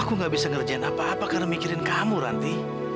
aku gak bisa ngerjain apa apa karena mikirin kamu nanti